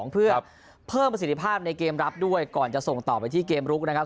เพื่อเพิ่มประสิทธิภาพในเกมรับด้วยก่อนจะส่งต่อไปที่เกมลุกนะครับ